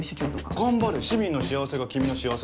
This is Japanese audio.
頑張れ市民の幸せが君の幸せだ。